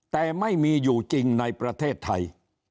แต่ไม่มีอยู่จริงในประเทศไทย